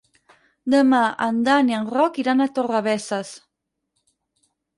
Demà en Dan i en Roc iran a Torrebesses.